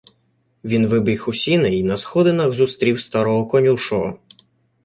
Він вибіг у сіни й на сходинах зустрів старого конюшого.